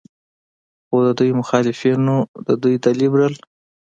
خو د دوي مخالفينو د دوي د لبرل